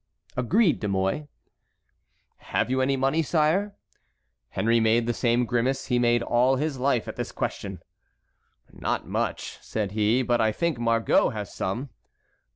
"Agreed, De Mouy." "Have you any money, sire?" Henry made the same grimace he made all his life at this question. "Not much," said he; "but I think Margot has some."